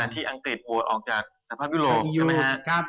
ที่อังกฤษออกจากสภาพยูโรใช่ไหมฮะ